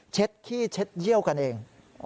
ขี้เช็ดเยี่ยวกันเอง